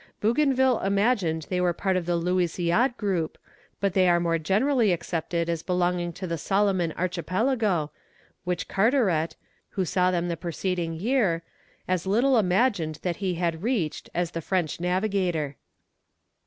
Bougainville imagined they were a part of the Louisiade group, but they are more generally accepted as belonging to the Solomon Archipelago, which Carteret, who saw them the preceding year, as little imagined that he had reached, as the French navigator.